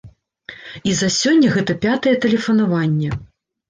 І за сёння гэта пятае тэлефанаванне.